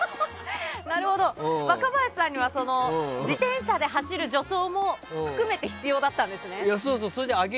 若林さんには自転車で走る助走も含めて必要だったんですね。